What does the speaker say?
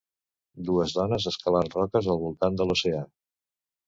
dues dones escalant roques al voltant de l'oceà